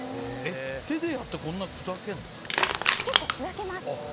手でやってこんな砕けるの？結構砕けますよ。